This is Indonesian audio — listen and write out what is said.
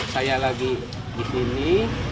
saya lagi di sini